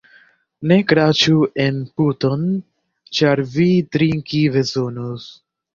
Ne kraĉu en puton, ĉar vi trinki bezonos.